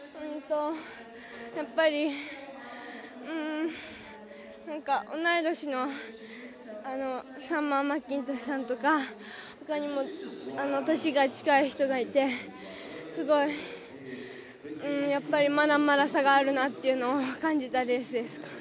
やっぱり同い年のサマー・マッキントッシュさんとかほかにも年が近い人がいてすごいやっぱりまだまだ差があるなというのを感じたレースでした。